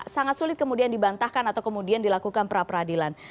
sangat sulit kemudian dibantahkan atau kemudian dilakukan perapradilan